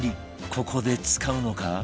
ここで使うのか？